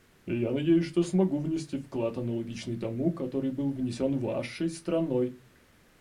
Я надеюсь, что смогу внести вклад, аналогичный тому, который был внесен Вашей страной.